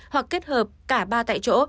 hoặc kết hợp cả ba tại chỗ